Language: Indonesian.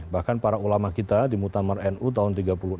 bahkan para ulama kita di mutamar nu tahun tiga puluh enam